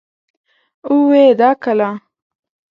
اوي دا کله ؟ self citition